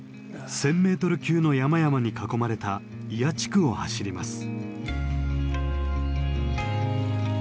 １，０００メートル級の山々に囲まれた祖谷地区を走ります。